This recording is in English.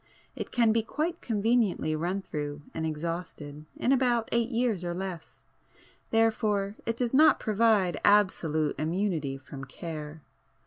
It can be quite conveniently run through and exhausted in about eight years or less, therefore it does not provide absolute immunity from care.